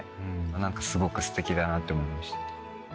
何かすごくステキだなって思いました。